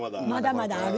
まだまだ。